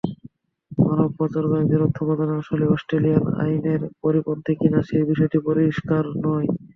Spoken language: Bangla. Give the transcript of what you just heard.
মানবপাচারকারীদের অর্থ প্রদান আসলেই অস্ট্রেলিয়ান আইনের পরিপন্থী কিনা সেই বিষয়টি পরিষ্কার নয়।